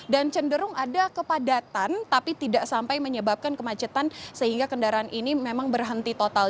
dan cenderung ada kepadatan tapi tidak sampai menyebabkan kemacetan sehingga kendaraan ini memang berhenti total